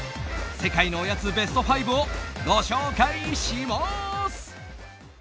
世界のおやつベスト５をご紹介します。